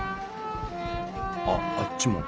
ああっちも。